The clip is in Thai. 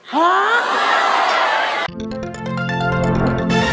ฮะ